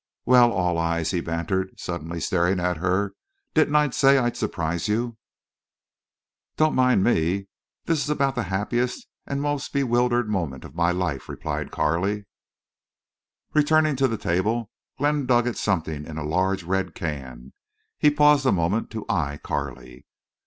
"Well, all eyes?" he bantered, suddenly staring at her. "Didn't I say I'd surprise you?" "Don't mind me. This is about the happiest and most bewildered moment—of my life," replied Carley. Returning to the table, Glenn dug at something in a large red can. He paused a moment to eye Carley.